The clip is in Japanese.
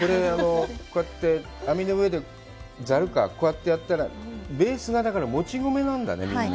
こうやって網の上で、ざるか、こうやってやったら、ベースがもち米なんだね、みんな。